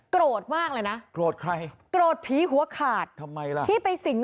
โกรธมากเลยนะโกรธใครโกรธผีหัวขาดทำไมล่ะที่ไปสิง